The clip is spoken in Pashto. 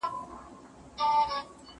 زه به سبا د کتابتون پاکوالی وکړم!!